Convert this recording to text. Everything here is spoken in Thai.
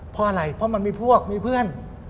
เพราะอะไรเพราะมันมีพวกมีเพื่อน